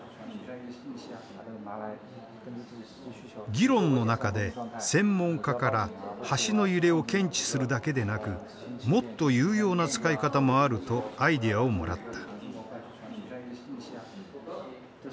議論の中で専門家から橋の揺れを検知するだけでなくもっと有用な使い方もあるとアイデアをもらった。